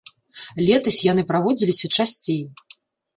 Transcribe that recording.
Летась яны праводзіліся часцей.